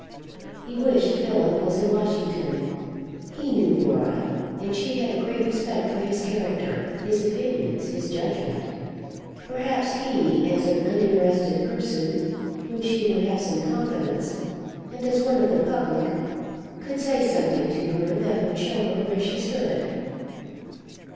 He wished Philip was in Washington. He knew Laura, and she had a great respect for his character, his opinions, his judgment. Perhaps he, as an uninterested person in whom she would have some confidence, and as one of the public, could say some thing to her that would show her where she stood.